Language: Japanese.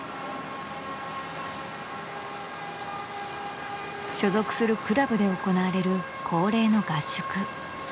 所属するクラブで行われる恒例の合宿。